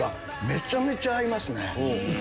めちゃくちゃ合いますね。